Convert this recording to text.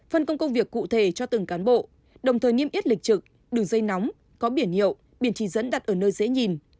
phân công công việc cụ thể cho từng cán bộ đồng thời niêm yết lịch trực đường dây nóng có biển hiệu biển chỉ dẫn đặt ở nơi dễ nhìn